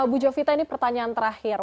bu jovita ini pertanyaan terakhir